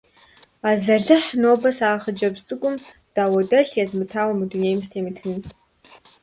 Азалыхь, нобэ сэ а хъыджэбзыжь цӀыкӀум дауэдэлъ езмытауэ мы дунейм сытемытын.